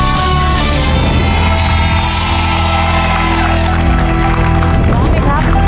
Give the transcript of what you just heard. พร้อมไหมครับ